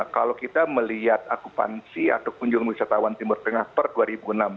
kalau kita melihat akupansi atau kunjungan wisatawan timur tengah per dua ribu enam belas